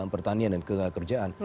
pertanian dan kegagalan kerjaan